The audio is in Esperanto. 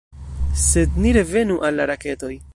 Sed ni revenu al la raketoj.